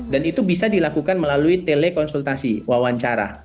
dan itu bisa dilakukan melalui telekonsultasi wawancara